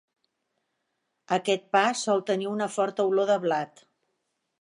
Aquest pa sol tenir una forta olor de blat.